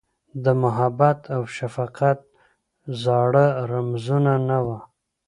د محبت اوشفقت زاړه رمزونه، نه وه